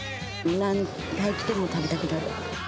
何回来ても食べたくなる。